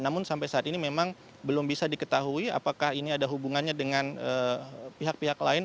namun sampai saat ini memang belum bisa diketahui apakah ini ada hubungannya dengan pihak pihak lain